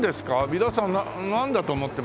皆さんなんだと思ってます？